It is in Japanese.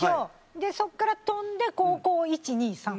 でそこから飛んで高校１２３。